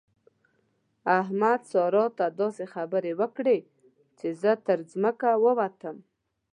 احمد؛ سارا ته داسې خبرې وکړې چې زه تر ځمکه ووتم.